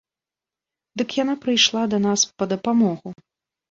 Дык яна прыйшла да нас па дапамогу.